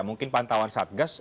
mungkin pantauan satgas